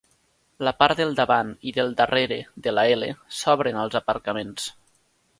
La part del davant i del darrere de la L s'obren als aparcaments.